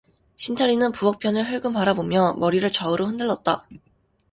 신철이는 부엌 편을 흘금 바라보며 머리를 좌우로 흔들었다.